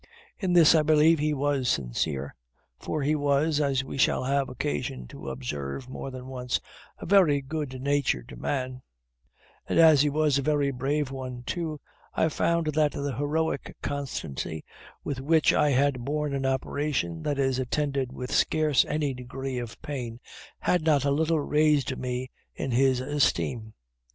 In this, I believe, he was sincere; for he was, as we shall have occasion to observe more than once, a very good natured man; and, as he was a very brave one too, I found that the heroic constancy with which I had borne an operation that is attended with scarce any degree of pain had not a little raised me in his esteem.